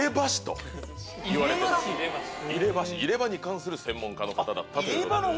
入れ歯に関する専門家の方だったという。